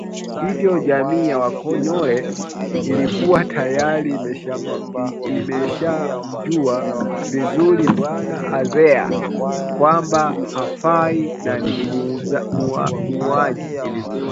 hivyo jamii ya wakonyole ilikuwa tayari imeshamjua vizuri bwana Azea kwamba hafai na ni muuaji